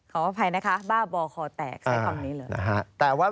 ขออภัยนะคะบ้าบอคอแตกใช้คำนี้เลย